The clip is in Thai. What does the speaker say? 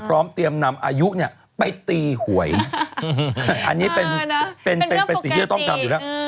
พร้อมเตรียมนำอายุเนี่ยไปตีหวยอันนี้เป็นสิ่งที่จะต้องทำอยู่แล้ว